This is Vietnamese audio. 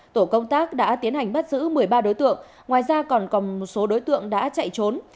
tổ công tác đã tiến hành bắt giữ một mươi ba đối tượng ngoài ra còn có một số đối tượng đã chạy trốn